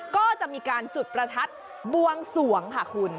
ก็จะมีการจุดประทัดบวงสวงค่ะคุณ